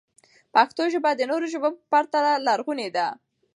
پښتو ژبه د نورو ژبو په پرتله لرغونې ده.